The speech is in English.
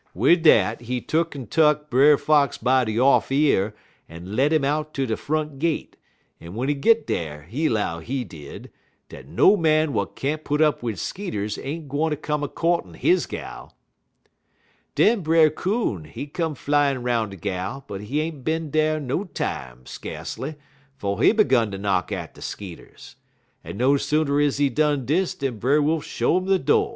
Wid dat he tuck'n tuck Brer Fox by de off year en led 'im out ter de front gate, en w'en he git dar, he 'low, he did, dat no man w'at can't put up wid skeeters ain't gwine ter come a courtin' his gal. "Den Brer Coon, he come flyin' 'roun' de gal, but he ain't bin dar no time skacely 'fo' he 'gun ter knock at de skeeters; en no sooner is he done dis dan Brer Wolf show 'im de do'.